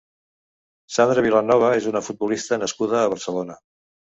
Sandra Vilanova és una futbolista nascuda a Barcelona.